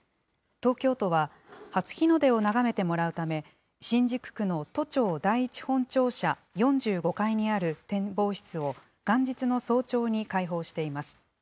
東京都は、初日の出を眺めてもらうため、新宿区の都庁第一本庁舎４５階にある展望室を、元日の早朝に開放しています。